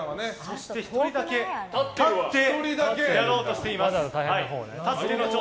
１人だけ立ってやろうとしています。